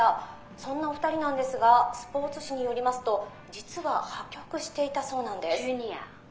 そんなお二人なんですがスポーツ紙によりますと実は破局していたそうなんです。